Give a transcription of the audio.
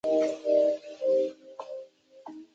学士视光学位需费时四年来完成。